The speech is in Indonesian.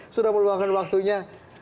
sudah meluangkan waktunya